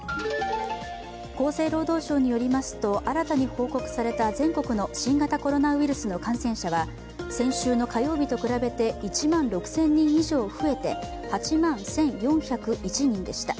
厚生労働省によりますと新たに報告された全国の新型コロナウイルスの感染者は先週の火曜日と比べて１万６０００人以上増えて８万１４０１人でした。